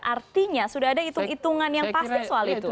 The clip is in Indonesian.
artinya sudah ada hitung hitungan yang pasti soal itu